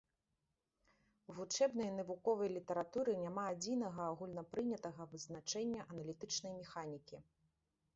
У вучэбнай і навуковай літаратуры няма адзінага агульнапрынятага вызначэння аналітычнай механікі.